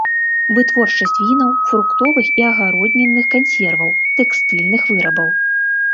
Вытворчасць вінаў, фруктовых і агароднінных кансерваў, тэкстыльных вырабаў.